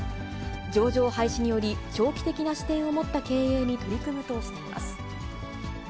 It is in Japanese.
上場廃止により、長期的な視点を持った経営に取り組むとしています。